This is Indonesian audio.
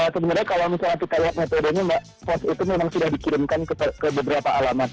sebenarnya kalau misalnya kita lihat metodenya mbak sport itu memang sudah dikirimkan ke beberapa alamat